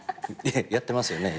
やってますよね